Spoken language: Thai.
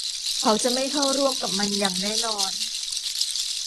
เขาจะไม่เข้าร่วมกับมันอย่างแน่นอน